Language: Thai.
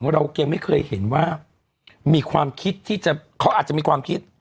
เรายังไม่เคยเห็นว่ามีความคิดที่เขาอาจจะมีความคิด